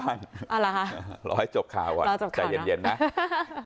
พศจรินิพิศิลป์ข่าวไทยรัฐทีวีรายงานจากบริเวณตลาดเจ้าพมจังหวัดภรรยาขอสีอยุธยาค่ะ